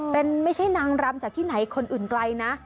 เป็นไม่ใช่นางรำจากที่ไหนคนอื่นไกลนะ